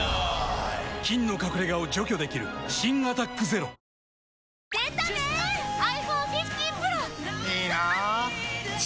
菌の隠れ家を除去できる新「アタックＺＥＲＯ」睡眠サポート「グリナ」